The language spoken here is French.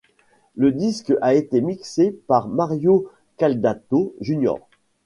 Le disque a été mixé par Mario Caldato Jr.